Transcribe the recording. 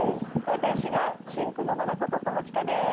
私が深紅のバラこと友近です。